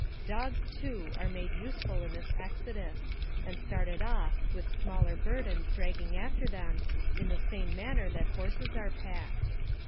Dogs, too, are made useful in this exodus, and started off, with smaller burdens dragging after them, in the same manner that horses are packed.